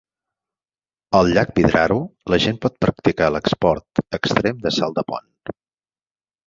Al llac Vidraru, la gent pot practicar l'esport extrem de salt de pont.